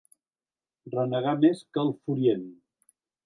Renegar més que el Furient.